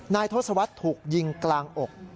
ทศวรรษถูกยิงกลางอก